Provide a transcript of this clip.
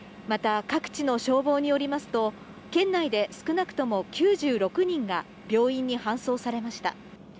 また、各地の消防によりますと、県内で少なくとも９６人が病院に搬送されました。